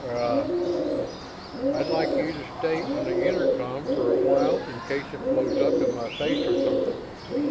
Er I'd like you to stay on the intercom for a while in case it blows up in my face or something."